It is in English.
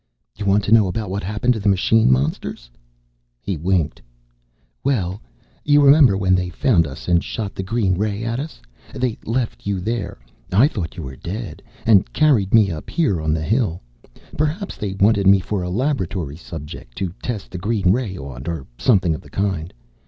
"You want to know about what happened to the machine monsters?" He winked. "Well, you remember when they found us, and shot the green ray at us. They left you there I thought you were dead and carried me up here on the hill. Perhaps they wanted me for a laboratory subject to test the green ray on, or something of the kind.